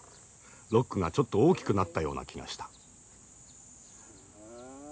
ロックがちょっと大きくなったような気がした。